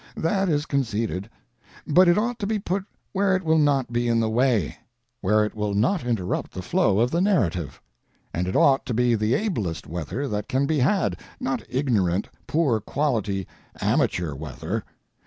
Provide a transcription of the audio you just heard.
That is conceded. But it ought to be put where it will not be in the way; where it will not interrupt the flow of the narrative. And it ought to be the ablest weather that can be had, not ignorant, poor quality, amateur weather.